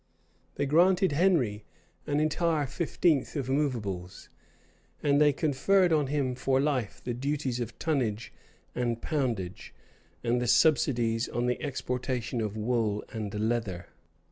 They granted Henry an entire fifteenth of movables; and they conferred on him for life the duties of tonnage and poundage, and the subsidies on the exportation of wool and leather.